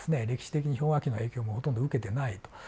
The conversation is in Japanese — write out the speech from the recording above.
歴史的に氷河期の影響もほとんど受けてないと。